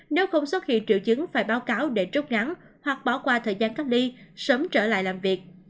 nếu không xuất hiện triệu chứng phải báo cáo để trút ngắn hoặc bỏ qua thời gian cách ly sớm trở lại làm việc